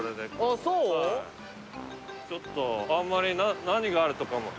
ちょっとあんまり何があるとかも。